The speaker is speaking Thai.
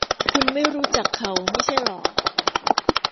คุณไม่รู้จักเขาไม่ใช่หรอ ?